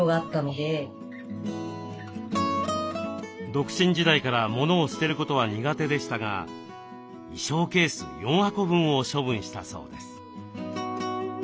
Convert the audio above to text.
独身時代からモノを捨てることは苦手でしたが衣装ケース４箱分を処分したそうです。